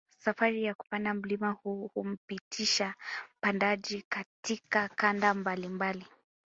Safari ya kupanda mlima huu humpitisha mpandaji katika kanda mbalimbali